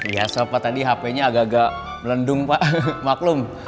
ya sama tadi hp nya agak agak melendung pak maklum